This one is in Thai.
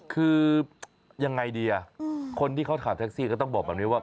คือยังไงดีคนที่เขาถามแท็กซี่ก็ต้องบอกแบบนี้ว่า